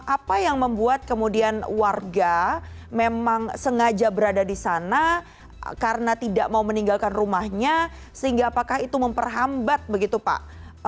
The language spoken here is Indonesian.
apa yang membuat kemudian warga memang sengaja berada di sana karena tidak mau meninggalkan rumahnya sehingga apakah itu memperhambat begitu pak